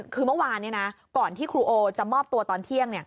คือเมื่อวานก่อนที่ครูโอจะมอบตัวตอนเที่ยง